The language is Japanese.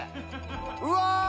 うわ！